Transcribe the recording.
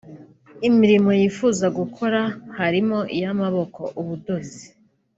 Imirimo yifuza gukora harimo iy’amaboko (ubudozi